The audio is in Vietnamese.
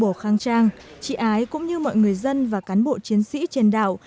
trong đảo khang trang chị ái cũng như mọi người dân và cán bộ chiến sĩ trên đảo